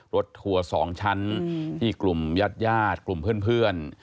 ทัวร์๒ชั้นที่กลุ่มญาติกลุ่มเพื่อน